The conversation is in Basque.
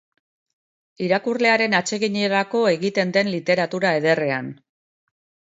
Irakurlearen atseginerako egiten den literatura ederrean.